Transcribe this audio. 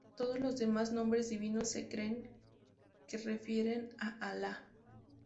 Todos los demás nombres divinos se cree que refieren a Alá.